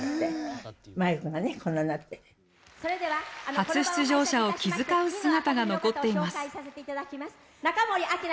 初出場者を気遣う姿が残っています。